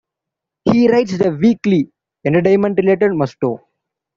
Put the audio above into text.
He writes the weekly, entertainment-related Musto!